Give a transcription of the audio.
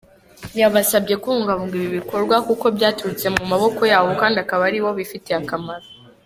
Yabasabye kubungabunga ibi bikorwa kuko byaturutse mu maboko yabo kandi akaba aribo bifitiye akamaro.